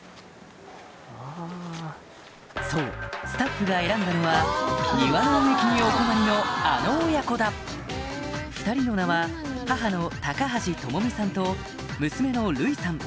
そうスタッフが選んだのは庭の植木にお困りのあの親子だ２人の名は母の橋朋美さんと娘の瑠依さん